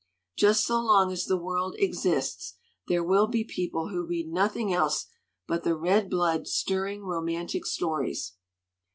Just so long as the world exists there will be people who read nothing else but the red blood, stirring romantic stories.